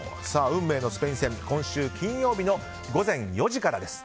運命のスペイン戦今週金曜日の午前４時からです。